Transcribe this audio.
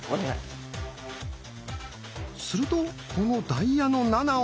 するとこの「ダイヤの７」を。